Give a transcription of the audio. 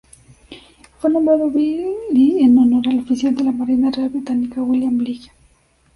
Fue nombrado Bligh en honor al oficial de la marina real británica William Bligh.